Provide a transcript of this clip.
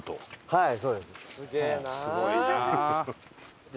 はい。